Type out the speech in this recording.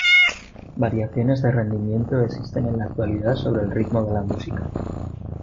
Variaciones de rendimiento existen en la actualidad sobre el ritmo de la música.